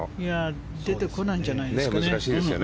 出てこないんじゃないんですかね。